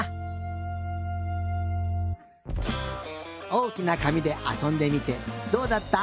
おおきなかみであそんでみてどうだった？